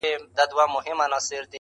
نن یې وار د پاڅېدو دی!!